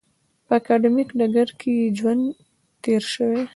په اکاډمیک ډګر کې یې ژوند تېر شوی.